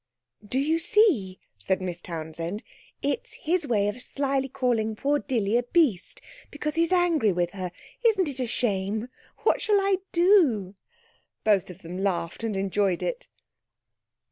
'Do you see?' said Miss Townsend. 'It's his way of slyly calling poor Dilly a beast, because he's angry with her. Isn't it a shame? What shall I do?' Both of them laughed and enjoyed it.